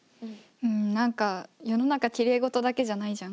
うん何か世の中きれい事だけじゃないじゃん。